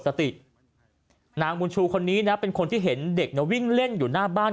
สตินางบุญชูคนนี้นะเป็นคนที่เห็นเด็กวิ่งเล่นอยู่หน้าบ้าน